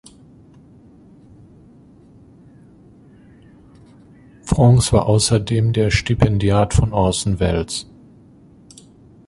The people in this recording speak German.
France war außerdem der Stipendiat von Orson Welles.